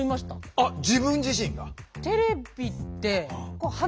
あっ自分自身が？